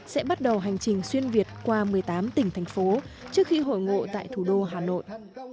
sẽ bắt đầu hành trình xuyên việt qua một mươi tám tỉnh thành phố trước khi hội ngộ tại thủ đô hà nội